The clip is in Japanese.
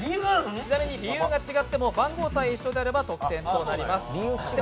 ちなみに理由が違っても番号さえ同じであれば得点となります。